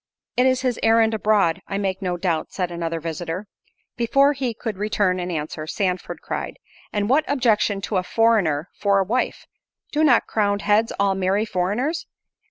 "It is his errand abroad, I make no doubt," said another visitor. Before he could return an answer, Sandford cried, "And what objection to a foreigner for a wife? do not crowned heads all marry foreigners?